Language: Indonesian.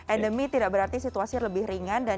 endemi tidak berarti situasi lebih ringan dan